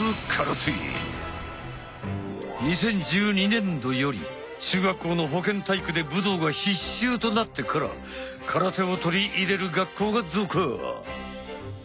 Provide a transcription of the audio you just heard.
２０１２年度より中学校の保健体育で武道が必修となってから空手を取り入れる学校が増加。